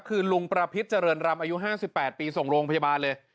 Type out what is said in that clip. คือลุงประพิษเจริญรำอายุ๕๘ปีส่งโรงพยาบาลเลย